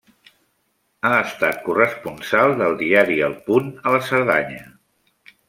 Ha estat corresponsal del Diari el Punt a la Cerdanya.